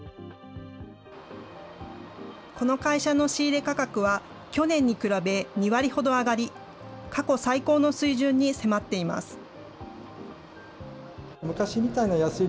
この会社の仕入れ価格は、去年に比べ２割ほど上がり、過去最高の水準に迫っています。